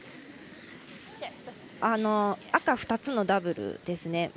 赤２つのダブルですね。